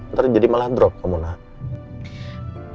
ntar jadi malah drop kamu nah